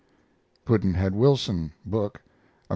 PUDD'NHEAD WILSON book (Am.